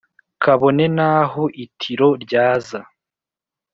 kabone n’ aho itiro ryaza,